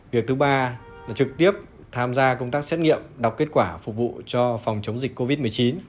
việc thứ ba là trực tiếp tham gia công tác xét nghiệm đọc kết quả phục vụ cho phòng chống dịch covid một mươi chín